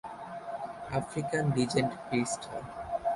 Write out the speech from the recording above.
African legend পৃষ্ঠা